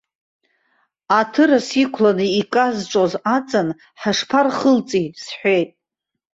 Аҭырас иқәланы иказҿоз аҵан ҳашԥархылҵи сҳәеит.